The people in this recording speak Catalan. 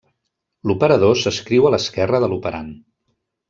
L'operador s'escriu a l'esquerra de l'operand.